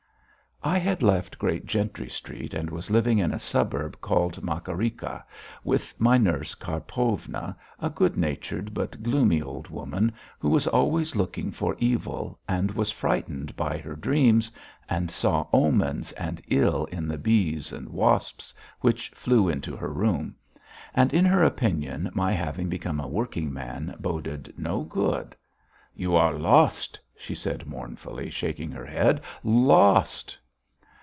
I had left Great Gentry Street and was living in a suburb called Makarikha with my nurse Karpovna, a good natured but gloomy old woman who was always looking for evil, and was frightened by her dreams, and saw omens and ill in the bees and wasps which flew into her room. And in her opinion my having become a working man boded no good. "You are lost!" she said mournfully, shaking her head. "Lost!"